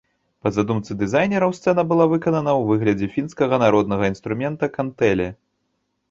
Па задумцы дызайнераў, сцэна была выканана ў выглядзе фінскага народнага інструмента кантэле.